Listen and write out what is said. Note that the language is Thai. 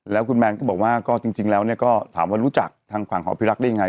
แล้วคุณแมนก็บอกว่าก็จริงแล้วก็ถามว่ารู้จักทางฝั่งของพิรักษ์ได้ยังไง